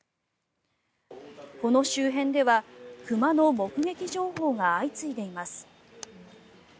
この周辺では熊の目撃情報が相次いでいます。